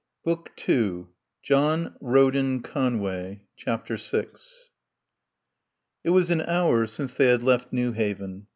BOOK TWO JOHN RODEN CONWAY VI It was an hour since they had left Newhaven.